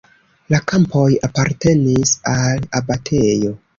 La kampoj apartenis al abatejo.